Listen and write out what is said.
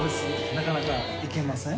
なかなかいけません？